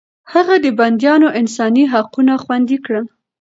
هغه د بنديانو انساني حقونه خوندي کړل.